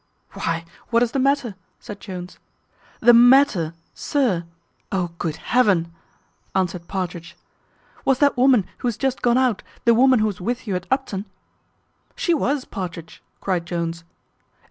"Why, what is the matter?" said Jones. "The matter, sir? O good Heaven!" answered Partridge, "was that woman who is just gone out the woman who was with you at Upton?" "She was, Partridge," cried Jones.